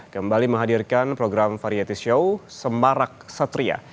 kembali menghadirkan program variety show semarak satria